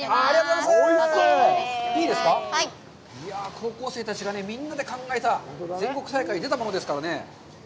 高校生たちがみんなで考えて全国大会に出たものですからね。